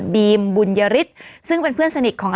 บีมบุญยฤทธิ์ซึ่งเป็นเพื่อนสนิทของ